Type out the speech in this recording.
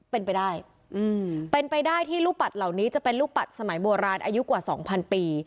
เป็นไปได้เป็นไปได้ที่ลูกปัดเหล่านี้จะเป็นลูกปัดสมัยโบราณอายุกว่า๒๐๐ปี